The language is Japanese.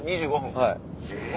はい。